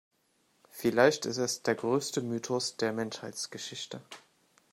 Vielleicht ist es der größte Mythos der Menschheitsgeschichte.